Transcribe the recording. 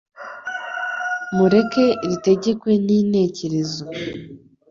mureke ritegekwe ni ntekerezo.